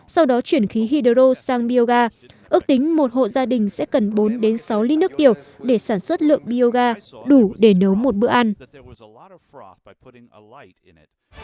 sau đó chuyển khí hydro sang bioga ước tính một hộ gia đình sẽ cần bốn sáu lít nước tiểu để sản xuất lượng bioga đủ để nấu một bữa ăn